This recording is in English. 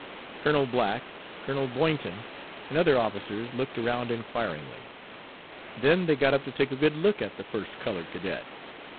Colonel Black, Colonel Boynton, and other officers looked around inquiringly. Then they got up to take a good look at, the first colored cadet.